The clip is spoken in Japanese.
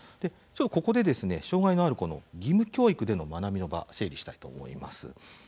ここで障害のある子の義務教育での学びの場整理したいと思います。